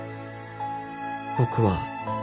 「僕は」